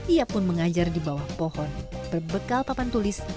ia pun mengajar di bawah pohon berbekal papan tulis